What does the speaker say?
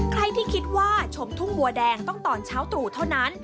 ใครที่คิดว่าชมทุ่งบัวแดงต้องตอนเช้าตรู่เท่านั้น